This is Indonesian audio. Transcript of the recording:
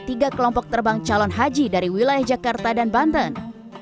tiga kelompok terbang calon haji dari wilayah jakarta dan banten